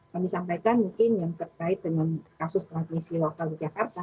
kami sampaikan mungkin yang terkait dengan kasus transmisi lokal di jakarta